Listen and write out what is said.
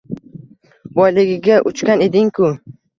Boyligiga uchgan eding-ku